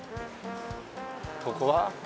ここは？